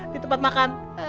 di tempat makan